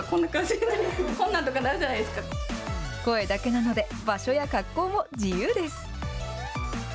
声だけなので、場所や格好も自由です。